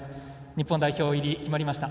日本代表入り、決まりました。